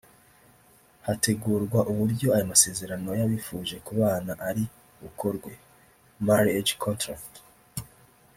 hategurwa uburyo ayo masezerano yabifuje kubana ari bukorwe (marriage contract)